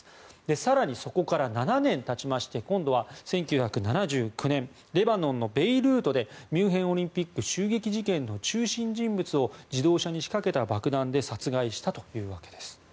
更にそこから７年経ちまして今度は１９７９年レバノンのベイルートでミュンヘンオリンピック襲撃事件の中心人物を自動車に仕掛けた爆弾で殺害したということです。